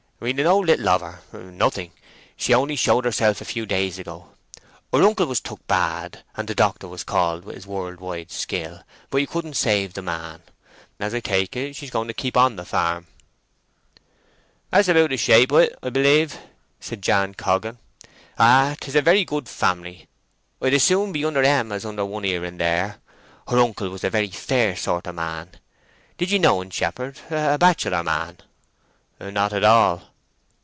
"We d' know little of her—nothing. She only showed herself a few days ago. Her uncle was took bad, and the doctor was called with his world wide skill; but he couldn't save the man. As I take it, she's going to keep on the farm. "That's about the shape o't, 'a b'lieve," said Jan Coggan. "Ay, 'tis a very good family. I'd as soon be under 'em as under one here and there. Her uncle was a very fair sort of man. Did ye know en, shepherd—a bachelor man?" "Not at all."